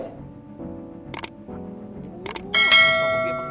kepengen apa nih